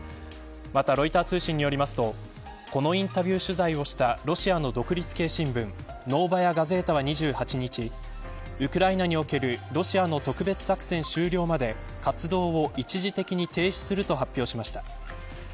また、ロイター通信によりますとこのインタビュー取材をしたロシアの独立系新聞ノーバヤ・ガゼータは２８日ウクライナにおけるロシアの特別作戦終了まで活動を一時的に停止すると発表しました。